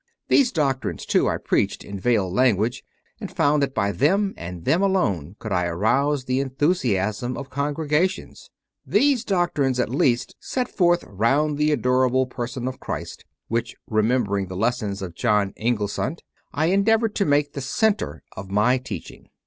These doctrines, too, I preached in veiled language, and found that by them, and them alone, could I arouse the enthusiasm of congregations these doctrines, at least, set forth round the adorable Person of Christ, which, remembering the lessons of "John Inglesant," I endeavoured to make the centre of my teaching.